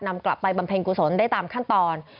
กลับไปบำเพ็ญกุศลได้ตามขั้นตอน